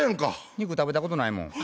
肉食べたことないもん。